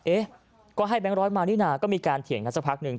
เอ๊ะก็ให้แบงค์ร้อยมานี่นะก็มีการเถียงกันสักพักหนึ่ง